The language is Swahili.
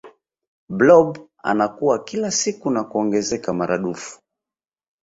blob anakua kila siku na kuongezeka maradufu